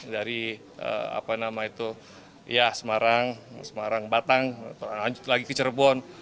dari semarang batang lanjut lagi ke cerebon